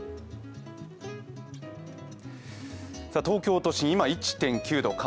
東京都心、今１．９度。